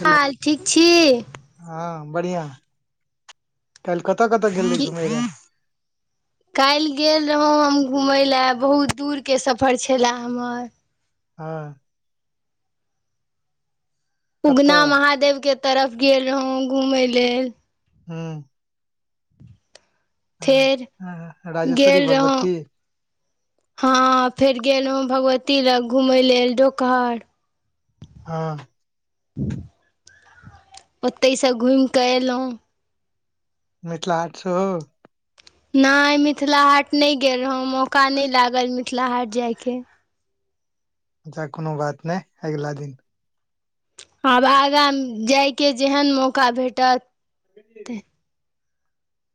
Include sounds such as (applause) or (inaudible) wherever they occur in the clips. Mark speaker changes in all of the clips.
Speaker 1: Hello
Speaker 2: हाल ठीक छी
Speaker 1: हँ बढ़िया काइल कतऽ कतऽ गेल रही
Speaker 2: की
Speaker 1: घुमय ले
Speaker 2: काल्हि गेल रहौं हम घुमय लए बहुत दूरके सफर छलए हमर
Speaker 1: हँ
Speaker 2: उगना
Speaker 1: कतऽ
Speaker 2: महादेव के तरफ गेल रहौं घुमय लेल
Speaker 1: हू हँ,
Speaker 2: फेर
Speaker 1: राजेश्वरी
Speaker 2: गेल रहौं
Speaker 1: भगवती
Speaker 2: हँ फेर गेलहुँ भगवती लग घूमय लेल डोकहर
Speaker 1: हँ
Speaker 2: ओतहि सँ घूम कऽ एलहुं
Speaker 1: मिथिला हाट से हो
Speaker 2: नए मिथिला हाट नइ गेल रहौं मौका नै लागल मिथिला हाट जायके
Speaker 1: अच्छा कोनो बात नए अगिला दिन
Speaker 2: आब आगाँ जायके जेहन मौका भेटत
Speaker 1: (inaudible)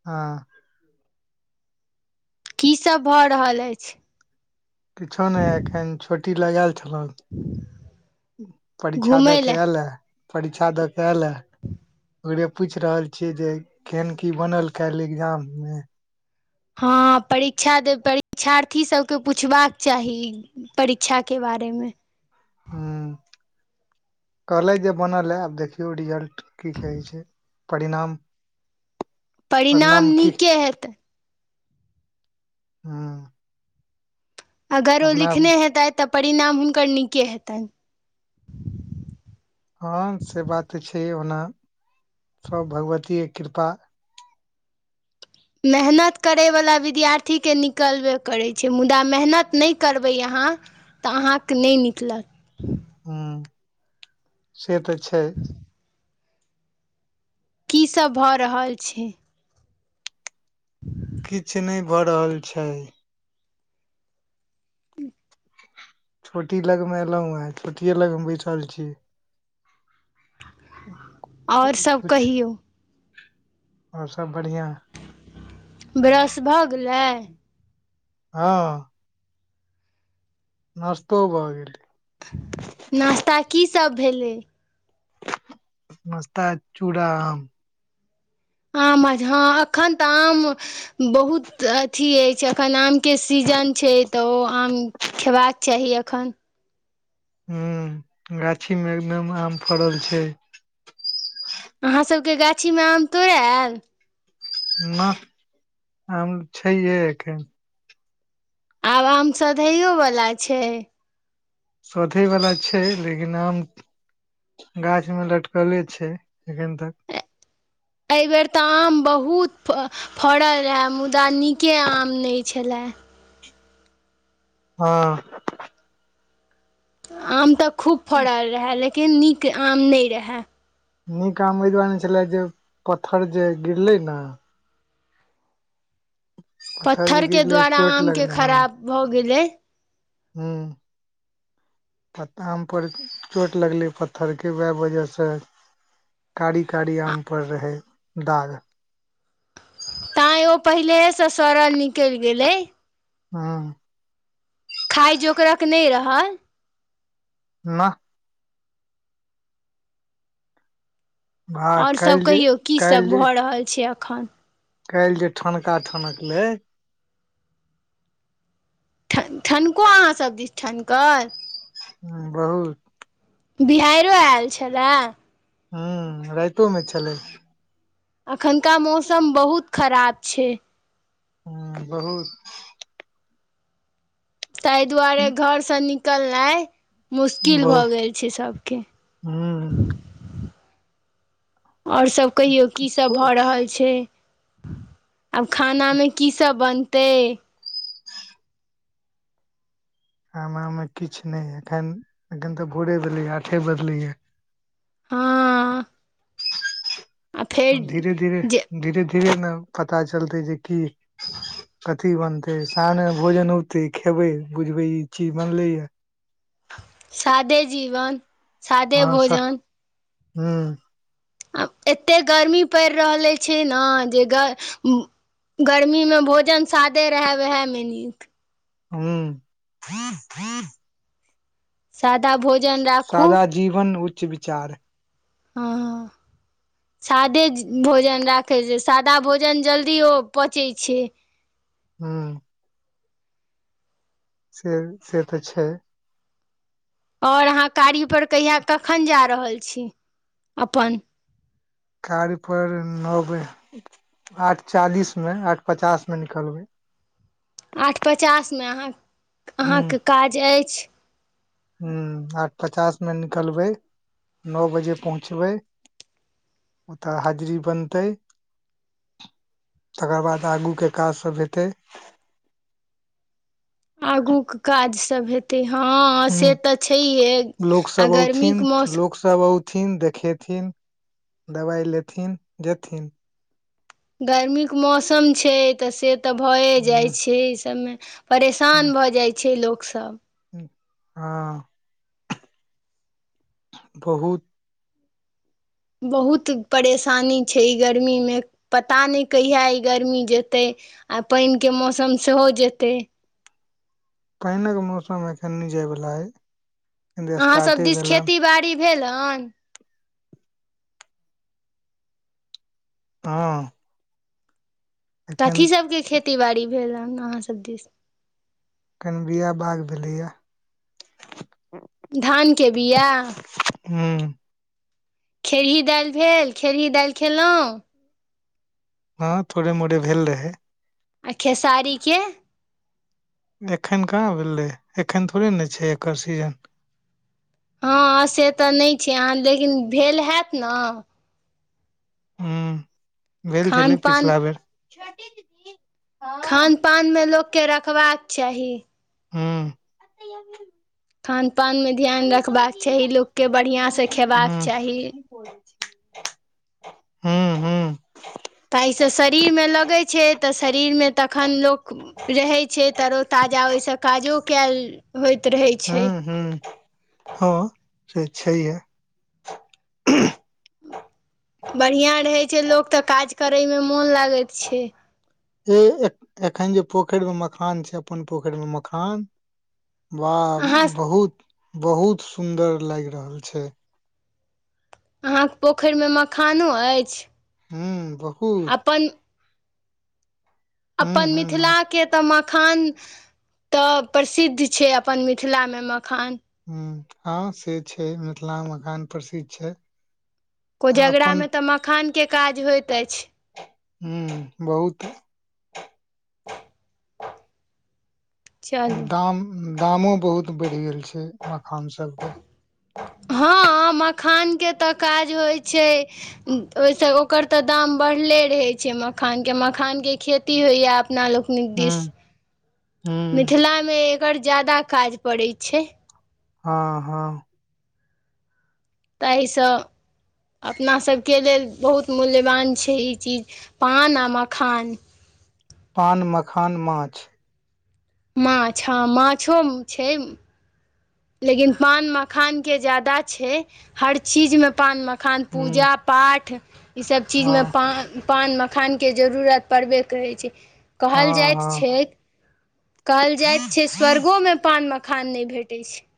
Speaker 1: हँ
Speaker 2: की सब भऽ रहल अईछ
Speaker 1: किछो नए एखन छोटी लगएयल छलहु परीक्षा दऽ
Speaker 2: घूमय
Speaker 1: क
Speaker 2: लए
Speaker 1: एयलए परीक्षा दऽ क एयलए ओरे पूइछ रहल छियै जे केहन की बनल काईल एग्जाम मे
Speaker 2: हँ परीक्षा दे परीक्षार्थी सबके पुछबाक चाही परीक्षा के बारे मे
Speaker 1: हू कहलएथ जे बनलए आब देखियौ रिजल्ट की कहै छै परिणाम
Speaker 2: परिणाम नीके हेते
Speaker 1: हँ
Speaker 2: अगर ओ लिखने हेतइथ तऽ, परिणाम हुनकर नीके हेतइन
Speaker 1: हँ से बात तऽ छै, ओना सभ भगवतीये कृपा
Speaker 2: मेहनत करयवला विद्यार्थीके निकलबे करैत छै मुदा मेहनत नइ करबै अहाँ तऽ अहाँके नेई निकलत
Speaker 1: हुं से तऽ छई।
Speaker 2: की सब भऽ रहल छै। ह
Speaker 1: किछ नय भऽ रहल छय। छोटी लग मे एलहुं हैं छोटिये लगमे बैठल छी। (inaudible)
Speaker 2: आओर सब
Speaker 1: किछ
Speaker 2: कहियौ
Speaker 1: आओर सब बढ़िआँ
Speaker 2: ब्रश भऽ गेलैय
Speaker 1: हँ नस्तो भऽ गेलैय
Speaker 2: नास्ता की सब भेलै।
Speaker 1: नस्ता चूड़ा आम
Speaker 2: आम हँ एखन तऽ आम बहुत अथी अइछ एखन आमके सीजन छइ तऽ ओ आम खेबाक चाही अखन
Speaker 1: ह गाछी में एकदम आम फड़ल छै।
Speaker 2: अहाँसभके गाछीमे आम तोड़अ आयल
Speaker 1: ना आम छइहे एखन।
Speaker 2: आब आम सधैयोवला छय।
Speaker 1: सधैवला छई, लेकिन आम गाछ में लटकले छय एखन तक
Speaker 2: एहि बेर तऽ आम बहुत फड़ल रहए मुदा नीके आम नहि छलए
Speaker 1: हँ।
Speaker 2: आम तऽ खूब फड़ल रहै लेकिन नीक आम नहि रहै।
Speaker 1: नीक आम एहि दुआरे नै छले जे पत्थर जे गिरले न। जे
Speaker 2: पत्थर के
Speaker 1: गिरले
Speaker 2: द्वारा
Speaker 1: चोट
Speaker 2: आम के
Speaker 1: लगले
Speaker 2: खराब भऽ गेलै।
Speaker 1: हूं पत्ता आम पर चोट लग लै पत्थर के वएह वजह सँ। कारी कारी आम पर रहै दाग।
Speaker 2: तैँ ओ पहिलेएसँ सड़ल निकलि गेलै।
Speaker 1: हँ।
Speaker 2: खााय जोक रक नहि रहल।
Speaker 1: नाहृऽ। भाय
Speaker 2: आओर सभ
Speaker 1: काल्हि जे
Speaker 2: कहियौ की सब भऽ रहल छै एखन।
Speaker 1: काईल जे ठनका ठनक लै।
Speaker 2: ठ ठनको अहाँ सभ दिस ठनकल।
Speaker 1: हूं बहुत।
Speaker 2: बिहाइरो आयल छलए।
Speaker 1: हूं राइतो मे छलै।
Speaker 2: अखन का मौसम बहुत खराब छै।
Speaker 1: हं बहुत।
Speaker 2: ताहि दुआरे घर सँ निकल नाइ। मुश्किल भऽ
Speaker 1: बहुत
Speaker 2: गेल छै सब के।
Speaker 1: हूँ
Speaker 2: आओर सब कहियौ की सब भऽ रहल छै। आब खाना मे की सब बनतै।
Speaker 1: खाना में किछु नहि एखन एखन तऽ भोरे भेलै ये आठे बज लै ये।
Speaker 2: हाँ।
Speaker 1: धीरे धीरे
Speaker 2: जे
Speaker 1: धीरे धीरे ने पता चलतै जे की। कथी बनतै सामने भोजन औते खेबै बुझबे ई चीज बनले ये।
Speaker 2: सादे जीवन। सादे
Speaker 1: हाँ स
Speaker 2: भोजन
Speaker 1: हूँ।
Speaker 2: एते गर्मी पड़ि रहलै छै ने जे ग। गर्मी मे भोजन सादे रहे वएहे मे नीक।
Speaker 1: हूं। ही ह (inaudible)
Speaker 2: सादा भोज।
Speaker 1: सादा जीवन उच्च विचार।।
Speaker 2: हँ सादे भोजन राखैत छै सादा भोजन जल्दी ओ पचै छै
Speaker 1: हूं। से से तऽ छै।
Speaker 2: ओर अहाँ कार्य पर कहिया कखन जा रहल छी अपन।
Speaker 1: कार्य पर नौ बजे आठ चालीस में आठ पचास में निकलबै।
Speaker 2: आठ पचास मे अहाँ अहाँ के काज अछि।
Speaker 1: ह आठ पचास मे निकलबै न बजे पहुँचबै तऽ हाजरी बनतै। तकर बाद आगू के काज सभ हेतै।
Speaker 2: आगू क काज सब हेत। ते हँ
Speaker 1: हूं
Speaker 2: से तऽ छैहे आ गरमीक मौसम।
Speaker 1: तब औथिन देखेथिन दबाइ लेथिन जेथिन।
Speaker 2: गरमीक मौसम छै तऽ से तऽ भए
Speaker 1: ह
Speaker 2: जाइ छै इ सबमे। परेशान भऽ जाइ छै लोकसब।
Speaker 1: हूँ आँ (unintelligible) बहुत।
Speaker 2: बहुत परेशानी छै ई गर्मीमे पता नइ कहिया ई गर्मी जेतै। आ पाइनके मौसम सेहो जेतै।
Speaker 1: पाइनक मौसम एखन नै जाय वला अइ।
Speaker 2: अहाँ सब दिस खेती बाड़ी भेल अन।
Speaker 1: हँ। एखन
Speaker 2: कथी सबके खेती बाड़ी भेल अन अहाँ सब दिस।
Speaker 1: कनि बिया बाग भेलैया।
Speaker 2: धानके बिया।
Speaker 1: (unintelligible) हूँ।
Speaker 2: खेड़ी दालि भेल खेड़ी दालि खेलौ।
Speaker 1: हँ थोड़े मोड़े भेल रहै।
Speaker 2: आ खेसारीके।
Speaker 1: एखन कहाँ भेलै एखन थोड़े न छै एकर सीजन।
Speaker 2: हँ से तऽ नै छै अहाँ लेकिन भेल हायत न।
Speaker 1: ह भेल
Speaker 2: खान
Speaker 1: छलै
Speaker 2: पान
Speaker 1: पिछला बेर छोटी दीदी।
Speaker 2: खानपानमे लोककेँ रखबाक चाही।
Speaker 1: हँ। (unintelligible)
Speaker 2: खानपानमे ध्यान रखबाक चाही लोककेँ बढ़िआँसे खेबाक चाही।
Speaker 1: हूँ हूँ।
Speaker 2: ताहिसँ शरीरमे लगै छै त शरीरमे तखन लोक। रहै छै तरो ताजा ओहिसँ काजो कायल होइत रहै छै।
Speaker 1: हूँ। हँ से छैहे।
Speaker 2: बढ़ियाँ रहै छै लोक त काज करयमे मोन लागैत छै।
Speaker 1: ए -एख-एखन जे पोखरिमे मखान छै अपन पोखरिमे मखान। वा
Speaker 2: अहाँ
Speaker 1: बहुत बहुत सुन्दर लागि रहल छै।
Speaker 2: अहाँक पोखरिमे मखानो अइछ।
Speaker 1: हूँ बहु।
Speaker 2: पन।
Speaker 1: हूं
Speaker 2: अपन
Speaker 1: हूं
Speaker 2: मिथिलाके। तऽ मखान तऽ प्रसिद्ध छै अपन मिथिलामे मखान।
Speaker 1: हूँ हँ से छै मिथिला मखान प्रसिद्ध छै। आ अपन
Speaker 2: कोजेगरामे तऽ मखानके काज होइत अछि।
Speaker 1: हूँ बहुत।
Speaker 2: चलू
Speaker 1: दाम दामो बहुत बढ़ि गेल छै मखान सबके।
Speaker 2: हँ मखानके तऽ काज होइ छै। ओइसँ ओकर तऽ दाम बढ़ले रहै छै मखानके मखानके खेती होइए अपना लोक। नीक
Speaker 1: हूं
Speaker 2: दिस
Speaker 1: हूं
Speaker 2: मिथिलामे एकर ज्यादा काज पड़ै छै।
Speaker 1: हँ हँ।
Speaker 2: तहिस अपनासभके लेल बहुत मूल्यवान छै ई चीज पान आ मखान।
Speaker 1: पान, मखान, माछ।
Speaker 2: माछ हँ माछो छै। लेकिन पान मखानके जादा छै। हर चीजमे पान मखान
Speaker 1: हूं
Speaker 2: पूजा पाठ ईसभ चीजमे
Speaker 1: हां
Speaker 2: पान- पान मखानके जरूरत पड़बे करै छै। कहल जाइत
Speaker 1: हां-हां
Speaker 2: छैक कहल जाइत छै स्वर्गोमे पान मखान नै भेटै छै।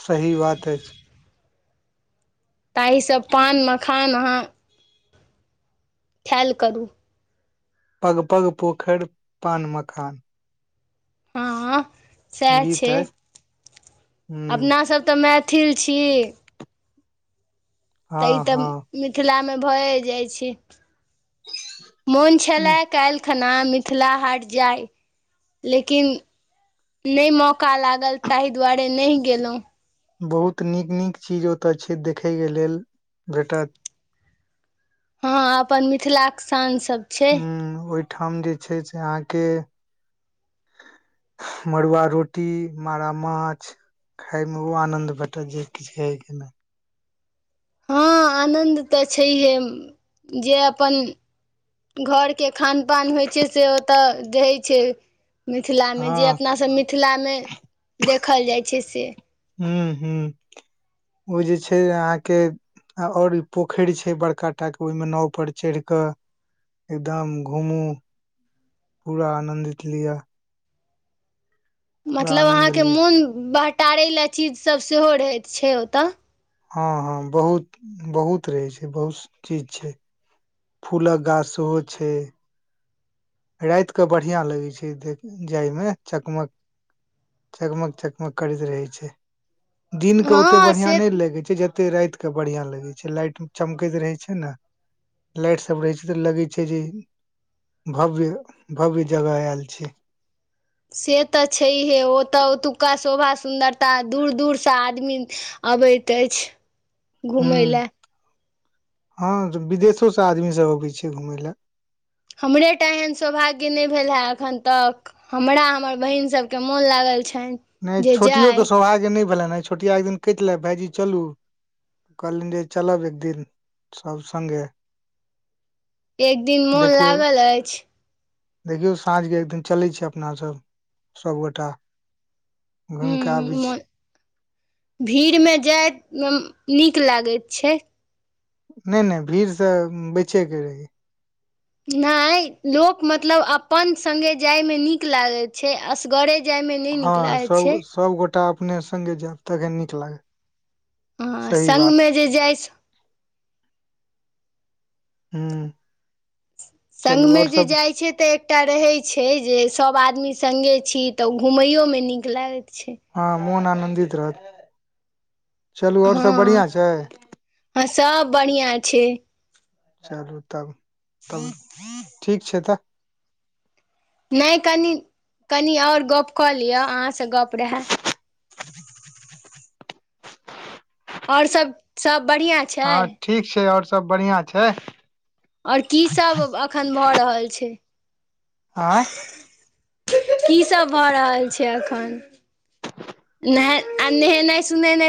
Speaker 1: सही बात ए।
Speaker 2: ताहिसँ पान मखान अहाँ खेल करू।
Speaker 1: पग- पग पोखैर पान मखान।
Speaker 2: हँ सैह
Speaker 1: गीत
Speaker 2: छै।
Speaker 1: ऐछ। हुं
Speaker 2: अपनासभ तऽ मैथिल छी। तऽ ई
Speaker 1: हँ
Speaker 2: तऽ
Speaker 1: हँ
Speaker 2: मिथिलामे भए जाइ छै। मोन छेले काइल खना मिथिला हाट जाय। लेकिन नै मौका लागल ताहि दुआरे नैह गेलउह।
Speaker 1: बहुत नीक- नीक चीज ओतय छै, देखयके लेल भेटत।
Speaker 2: हँ अपन मिथिलाक शान सब। छै
Speaker 1: हु ओहिठाम जे छै से अहाँके मरुवा रोटी मारा माछ। खाय मे ओ आनंद भेटत जे किछ कहै के नै।
Speaker 2: हँ आनन्द तऽ छैहे, जे अपन घरके खान पान होइ छै से ओत रहै छै। मिथिलामे जे
Speaker 1: हँ
Speaker 2: अपनासभ मिथिलामे देखल जाय छै, से।
Speaker 1: हू - हू ओ जे छै, अहाँके और ई पोखैर छै बड़का टाके, ओयमे नाव पर चैढ़ क एकदम घुमू पूरा आनन्दित लिय।
Speaker 2: मतलब
Speaker 1: आनंद
Speaker 2: अहाँके
Speaker 1: लिअ
Speaker 2: मोन बहटारै ले चीजसभ सेहो रहैत छै, ओत।
Speaker 1: ह - ह बहुत - बहुत रहै छै, बहुत चीज छै। फूलक गाछ सेहो छै। रैत कऽ बढ़िया लगै छै, देख जाय मे चकमक चकमक- चकमक करैत रहै छै, दिन के ओते
Speaker 2: हँ
Speaker 1: बढ़ियां
Speaker 2: से
Speaker 1: नै लगै छै। जत ओते रैत क बढ़ियां लगै छै। लाइट चमकैत रहै छै न। लाइट सब रहै छै तऽ, लगै छै जे भव्य - भव्य जगह ऐल छी।
Speaker 2: से तऽ छैइहे ओतऽ ओतुक्का शोभा सुन्दरता दूर दूरसँ आदमी अबैत ऐच्छ।
Speaker 1: (inaudible) हु, ह विदेशो स आदमी सब अबै छै घुमय ल।
Speaker 2: हमरेटा एहन सौभाग्य नै भेलेहँ एखन तक। हमरा हमर बहिन सभके मोन लागल छैन।
Speaker 1: नै, छोटियो के सौभाग्य नै भेलैनहे, छोटिया एक दिन केहै छेले भायजी चलू। कहलीयेन जे चलब एकदिन सब सगे।
Speaker 2: एक दिन मोन
Speaker 1: देखियौ
Speaker 2: लागल ऐच्छ।
Speaker 1: देखियौ, साँझके एक दिन चलै छियै अपना सब सबगोटा।
Speaker 2: हूं
Speaker 1: घुमिकऽ आबै छी।
Speaker 2: मोन भीड़मे जायमे नीक लागैत छै।
Speaker 1: नहि नहि, भीड़ से बैचे के रहै।
Speaker 2: नहि, लोक मतलब अपन संगे जायमे नीक लागै छै, असगरे जायमे नहि नीक
Speaker 1: हँ,
Speaker 2: लागैत छै
Speaker 1: सभ सभगोटा अपने सङ्गे जायब, तखन नीक लागत।
Speaker 2: हं
Speaker 1: सही बात
Speaker 2: सङ्गमे जे जाइ छै
Speaker 1: हुं।
Speaker 2: सङ्ग मे जे जाइत छै तऽ एक एकटा रहै छै जे सभ आदमी अपने सङ्गे छी त घुमैयो मे नीक लागै छै।
Speaker 1: हँ मौहन आनन्दित रहत। चलू आओर सब बढ़िआँ
Speaker 2: हँ,
Speaker 1: छै
Speaker 2: सब बढ़िआँ छै।
Speaker 1: चलू तब, ठीक छै तऽ।
Speaker 2: नहि, कनि, कनि आओर गप कऽ लिअ, अहाँसे गप रहे।
Speaker 1: (inaudible)
Speaker 2: और सब सब बढ़िया
Speaker 1: हँ, ठीक छै, आओर सब बढ़िआँ छै।
Speaker 2: आओर की सब एखन भऽ रहल छै।
Speaker 1: ऑय?
Speaker 2: की सब भऽ रहल छै एखन। आ नहेनाइ सोनेनाइ नहि